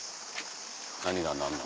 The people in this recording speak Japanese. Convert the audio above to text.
何が何だか。